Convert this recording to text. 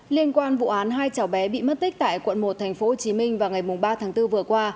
liên quan vụ án hai cháu bé bị mất tích tại quận một tp hcm vào ngày ba tháng bốn vừa qua